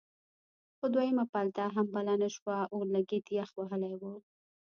خو دویمه پلته هم بله نه شوه اورلګید یخ وهلی و.